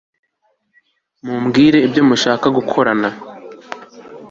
mumbwire ibyo mushaka gukorana